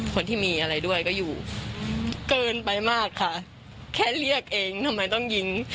คนที่มีอะไรด้วยก็อยู่เกินไปมากค่ะแค่เรียกเองทำไมต้องยิง